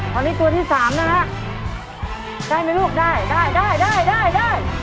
ตอนนี้ตัวที่สามนะฮะได้ไหมลูกได้ได้ได้ได้ได้ได้